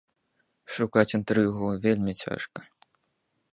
Шукаць інтрыгу вельмі цяжка.